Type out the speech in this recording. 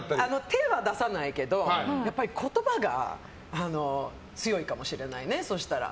手は出さないけどやっぱり言葉が強いかもしれないね、そしたら。